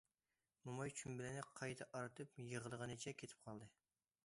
موماي چۈمبىلىنى قايتا ئارتىپ يىغلىغىنىچە كېتىپ قالدى.